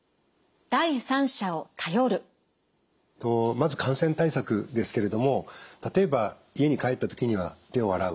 まず感染対策ですけれども例えば家に帰った時には手を洗う。